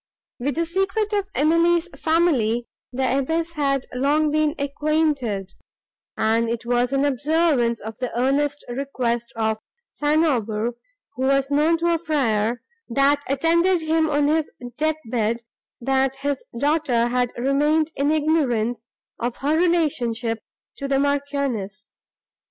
With the secret of Emily's family the abbess had long been acquainted, and it was in observance of the earnest request of St. Aubert, who was known to the friar, that attended him on his death bed, that his daughter had remained in ignorance of her relationship to the Marchioness.